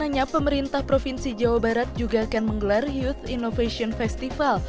rencananya pemerintah provinsi jawa barat juga akan menggelar youth innovation festival